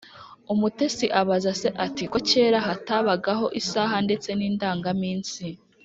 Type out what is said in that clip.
Umutesi abaza se ati: “Ko kera hatabagaho isaha ndetse n’indangaminsi,